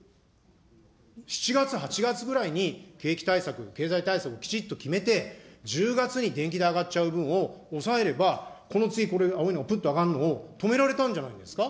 ７月、８月ぐらいに景気対策、経済対策をきちっと決めて、１０月に電気代上がっちゃう分を抑えれば、この次子の青いのがぷっと上がるのを、止められたんじゃないですか。